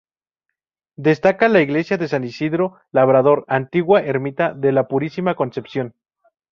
Destaca la iglesia de San Isidro Labrador, antigua ermita de la Purísima Concepción.